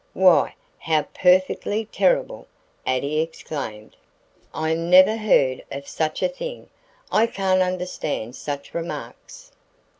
"Why, how perfectly terrible!" Addie exclaimed. "I never heard of such a thing. I can't understand such remarks."